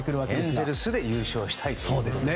エンゼルスで優勝したいと。